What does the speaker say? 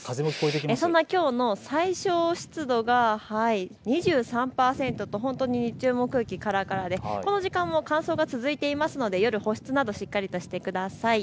そんなきょうの最小湿度が２３％と日中も空気からからでこの時間も乾燥が続いているので夜保湿などしっかりしてください。